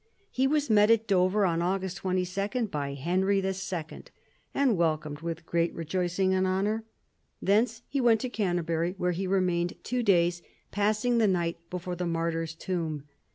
He was met at Dover on August 22 by Henry II., and welcomed with "great rejoicing and honour." Thence he went to Canterbury, where he remained two days, passing the night before the martyr's tomb.